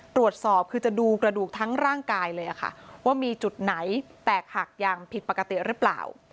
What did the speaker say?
ตรวจสอบคือจะดูกระดูกทั้งร่างกายเลยค่ะว่ามีจุดไหนแตกหักอย่างผิดปกติหรือเปล่า